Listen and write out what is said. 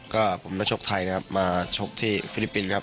ก็ผมนักชกไทยนะครับมาชกที่ฟิลิปปินส์ครับ